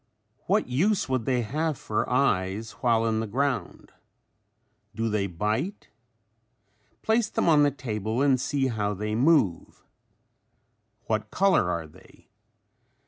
What use would they have for eyes while in the ground? Do they bite? Place them on the table and see how they move. What color are they?